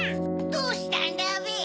どうしたんだべ？